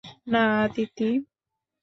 না, আদিতি!